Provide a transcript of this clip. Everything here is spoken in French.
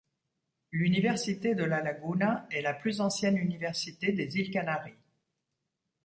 L'Université de La Laguna est la plus ancienne université des îles Canaries.